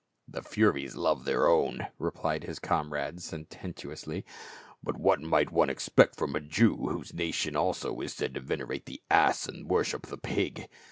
"The furies love their own," replied his comrade sententiously, "but what might one expect from a Jew, whose nation also is said to venerate the ass and worship the pig?